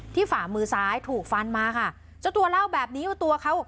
ที่ฝามือซ้ายถูกฟันมาค่ะจนตัวเล่าแบบนี้ว่าตัวเขากับครอบครัว